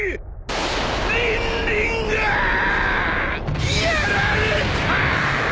リンリンがぁやられた！